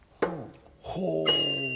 ほう！